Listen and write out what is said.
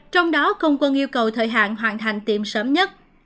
trong đó không quân yêu cầu thời hạn hoàn thành tiệm sớm nhất